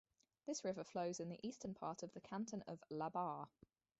This river flows in the eastern part of the canton of La Barre.